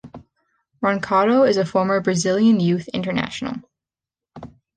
Roncatto is a former Brazilian youth international.